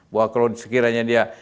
bahwa kalau sekiranya dia